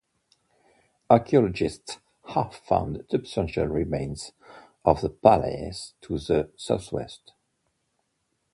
Archeologists have found substantial remains of the palace to the southwest.